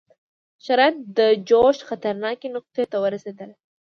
شرایط د جوش خطرناکې نقطې ته ورسېدل.